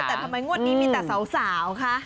แต่ทำไมงวดนี้มีแต่สาวคะ